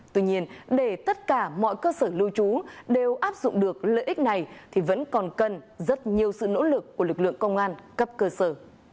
tuy nhiên để tất cả mọi cơ sở lưu trú đều áp dụng được lợi ích này thì vẫn còn cần rất nhiều sự nỗ lực của lực lượng công an cấp cơ sở